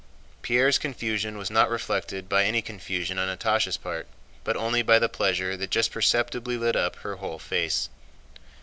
Pierre's confusion was not reflected by any confusion on Natásha's part, but only by the pleasure that just perceptibly lit up her whole face.